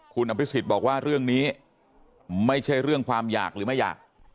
คุณอภิษฎบอกว่าเรื่องนี้ไม่ใช่เรื่องความอยากหรือไม่อยาก